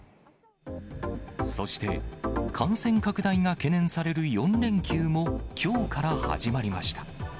そして、感染拡大が懸念される４連休も、きょうから始まりました。